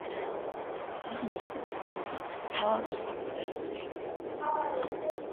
მისი სახელწოდება აღნიშნავს საურონს, მთავარ უარყოფით პერსონაჟს.